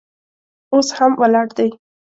اوس هم ولاړ دی.